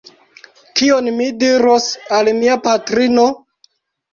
Kion mi diros la mia patrino?